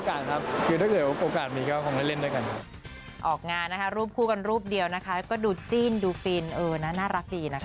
อยากให้มีละครในงานพวกฉันหรือยัง